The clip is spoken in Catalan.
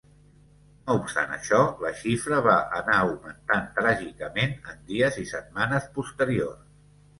No obstant això, la xifra va anar augmentant tràgicament en dies i setmanes posteriors.